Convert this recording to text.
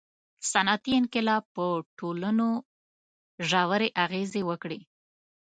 • صنعتي انقلاب په ټولنو ژورې اغېزې وکړې.